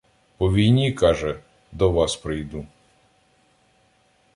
По війні, каже, до вас прийду.